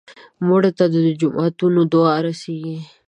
مړه ته د جوماتونو دعا رسېږي